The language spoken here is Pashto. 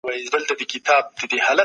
ملکيت يو مسؤليت دی.